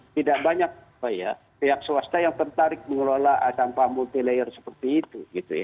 tidak banyak pihak swasta yang tertarik mengelola sampah multi layer seperti itu